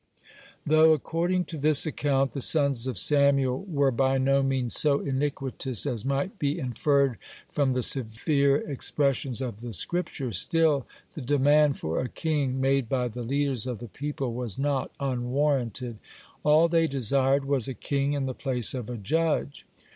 (46) Though, according to this account, the sons of Samuel were by no means so iniquitous as might be inferred from the severe expressions of the Scripture, still the demand for a king made by the leaders of the people was not unwarranted. All they desired was a king in the place of a judge.